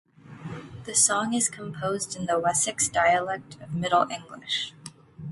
The song is composed in the Wessex dialect of Middle English.